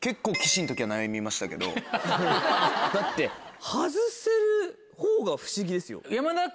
だって外せるほうが不思議ですよ。